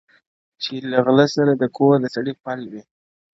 چي له غله سره د کور د سړي پل وي-